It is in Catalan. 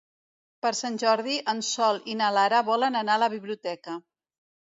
Per Sant Jordi en Sol i na Lara volen anar a la biblioteca.